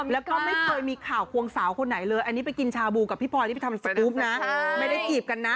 แล้วก็ไม่เคยมีข่าวควงสาวคนไหนเลยอันนี้ไปกินชาบูกับพี่พลอยที่ไปทำสกรูปนะไม่ได้จีบกันนะ